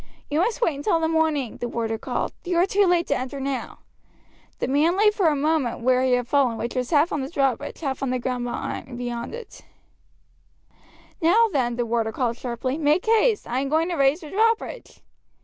"You must wait until the morning," the warder called; "you are too late to enter now." The man lay for a moment where he had fallen, which was half on the drawbridge, half on the ground beyond it. "Now, then," the warder called sharply, "make haste; I am going to raise the drawbridge."